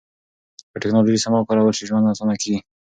که ټکنالوژي سمه وکارول شي، ژوند اسانه کېږي.